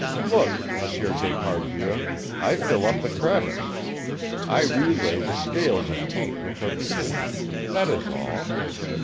Look, Monsieur d'Esparvieu, I fill up the crevice, I relay the scales of paint which are peeling. That is all....